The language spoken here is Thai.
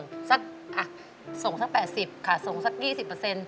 ส่งสัก๘๐ขาดส่งสัก๒๐เปอร์เซ็นต์